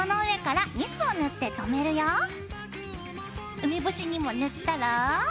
梅干しにも塗ったら。